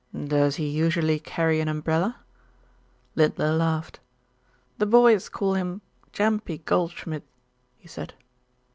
"Does he usually carry an umbrella?" Lindler laughed. "The boys call him 'Gampy Goldschmidt,'" he said.